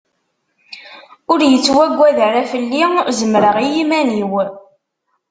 Ur yettwaggad ara fell-i, zemreɣ i yiman-iw.